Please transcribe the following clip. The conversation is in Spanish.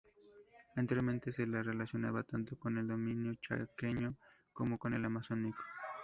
Anteriormente se la relacionaba tanto con el dominio chaqueño como con el amazónico.